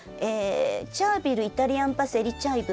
チャービルイタリアンパセリチャイブ。